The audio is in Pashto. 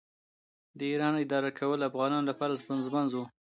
د ایران اداره کول افغانانو لپاره ستونزمن و.